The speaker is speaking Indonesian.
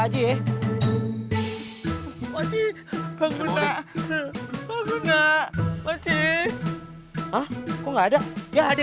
kok nggak ada